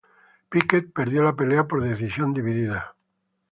Pickett perdió la pelea por decisión dividida.